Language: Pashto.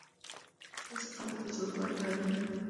اوس یې قبر ته جوړښت ورکړی دی.